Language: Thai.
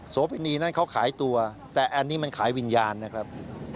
โพินีนั้นเขาขายตัวแต่อันนี้มันขายวิญญาณนะครับ